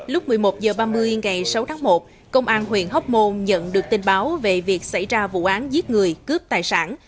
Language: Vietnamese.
lúc một mươi một h ba mươi ngày sáu tháng một công an huyện hóc môn nhận được tin báo về việc xảy ra vụ án giết người cướp tài sản